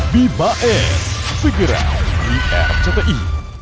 bibae figurant di rcti